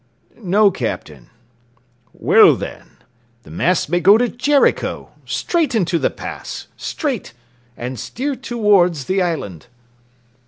"No, Captain." "Well, then, the masts may go to Jericho. Straight into the pass! Straight! and steer towards the island."